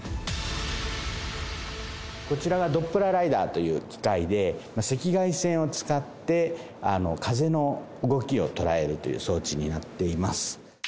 こちらがドップラー・ライダーという機械で、赤外線を使って風の動きを捉えるという装置になっています。